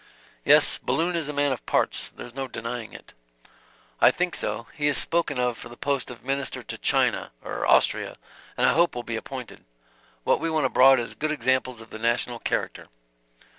"Yes, Balloon is a man of parts, there is no denying it" "I think so. He is spoken of for the post of Minister to China, or Austria, and I hope will be appointed. What we want abroad is good examples of the national character.